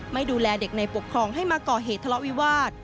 ไม่ดูแลเด็กในปกครองให้มาก่อเหตุทะเลาะวิวาส